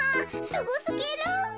すごすぎる。